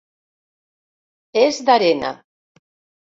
És d'arena.